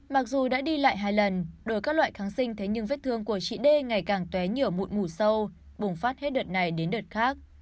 mặc dù đã đi lại hai lần đổi các loại kháng sinh thấy những vết thương của chị d ngày càng tué nhửa mụn mù sâu bùng phát hết đợt này đến đợt khác